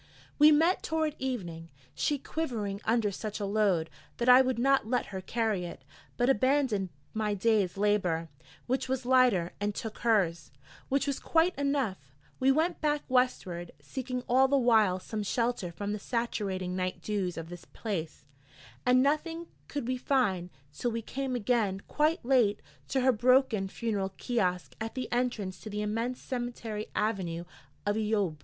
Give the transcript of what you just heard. We met toward evening, she quivering under such a load, that I would not let her carry it, but abandoned my day's labour, which was lighter, and took hers, which was quite enough: we went back Westward, seeking all the while some shelter from the saturating night dews of this place: and nothing could we find, till we came again, quite late, to her broken funeral kiosk at the entrance to the immense cemetery avenue of Eyoub.